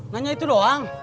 nanya itu doang